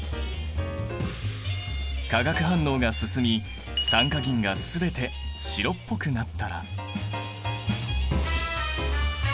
化学反応が進み酸化銀が全て白っぽくなったら。